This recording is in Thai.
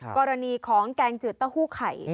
กรณีของแกงจืดเต้าหู้ไข่